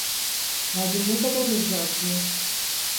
Kalbin ne kadar hızlı atıyor…